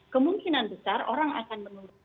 kemungkinan besar orang akan menurun